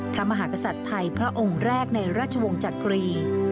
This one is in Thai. พระมหากษัตริย์ไทยพระองค์แรกในราชวงศ์จักรี